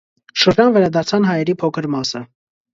Շրջան վերադարձան հայերի փոքր մասը։